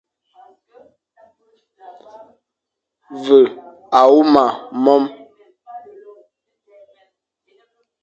Ve a huma mome,